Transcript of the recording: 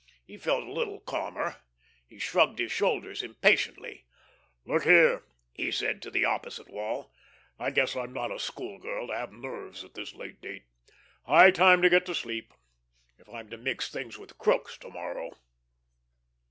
He felt a little calmer. He shrugged his shoulders impatiently. "Look here," he said to the opposite wall, "I guess I'm not a schoolgirl, to have nerves at this late date. High time to get to sleep, if I'm to mix things with Crookes to morrow."